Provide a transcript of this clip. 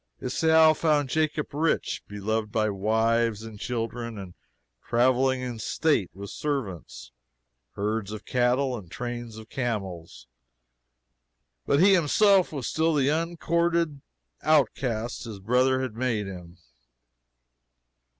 Esau found Jacob rich, beloved by wives and children, and traveling in state, with servants, herds of cattle and trains of camels but he himself was still the uncourted outcast this brother had made him.